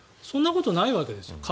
そんなことないわけです。